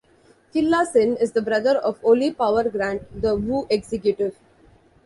Killa Sin is the brother of Oli "Power" Grant, the Wu executive.